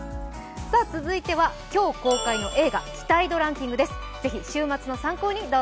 続いては今日公開の映画期待度ランキングです。